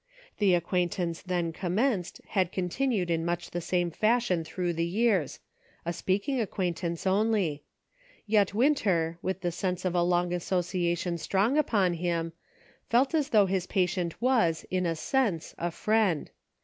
The acquaintance then commenced, had continued in much the same fashion through the years — a speaking acquaint ance only ; yet Winter, with the sense of long association strong upon him, felt as though his patient was, in a sense, a friend.